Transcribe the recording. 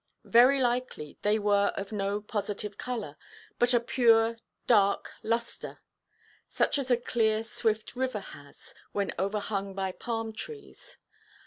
Very likely they were of no positive colour, but a pure dark lustre, such as a clear swift river has, when overhung by palm–trees.